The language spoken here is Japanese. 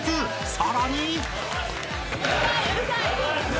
［さらに］